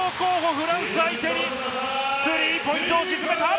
フランス相手に、スリーポイントを沈めた！